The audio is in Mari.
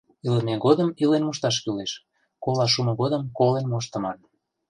Илыме годым илен мошташ кӱлеш, колаш шумо годым колен моштыман...